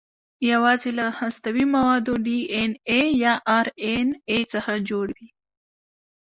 یواځې له هستوي موادو ډي ان اې یا ار ان اې څخه جوړ وي.